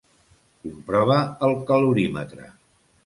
Comprova el calorímetre.